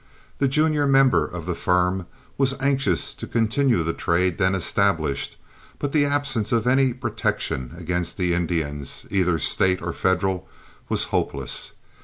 The junior member of the firm was anxious to continue the trade then established, but the absence of any protection against the Indians, either state or federal, was hopeless.